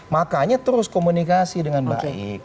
makanya terus komunikasi dengan baik